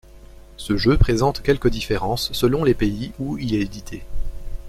Ce jeu présente quelques différences selon les pays où il est édité.